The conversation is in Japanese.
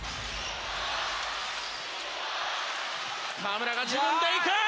河村が自分で行く！